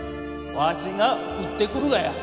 わしが売ってくるがや